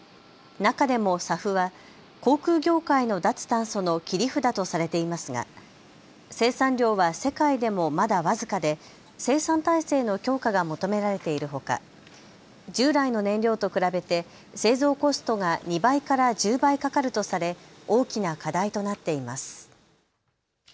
中でもＳＡＦは航空業界の脱炭素の切り札とされていますが生産量は世界でもまだ僅かで生産体制の強化が求められているほか従来の燃料と比べて製造コストが２倍から１０倍かかるとされ大きな課題となっています。